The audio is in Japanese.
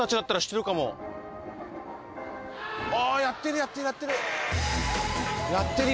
やってるやってるやってる！